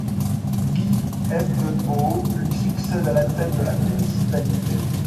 Guy Heddebaux lui succède à la tête de la municipalité.